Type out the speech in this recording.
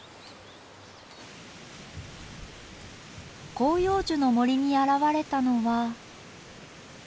広葉樹の森に現れたのは。